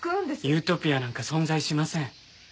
ユートピアなんか存在しません。